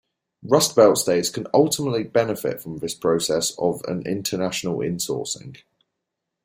Rustbelt states can ultimately benefit from this process of an international insourcing.